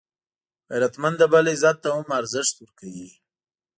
غیرتمند د بل عزت ته هم ارزښت ورکوي